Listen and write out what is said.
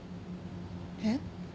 えっ？